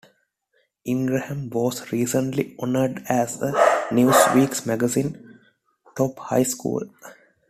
Ingraham was recently honored as a Newsweek magazine "Top High School".